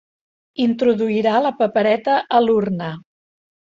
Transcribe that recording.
Introduirà la papereta a l'urna.